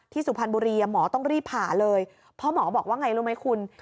สุพรรณบุรีหมอต้องรีบผ่าเลยเพราะหมอบอกว่าไงรู้ไหมคุณ